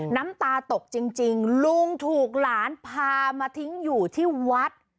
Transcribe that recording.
น้ำตาตกจริงลุงถูกหลานพามาทิ้งอยู่ที่วัด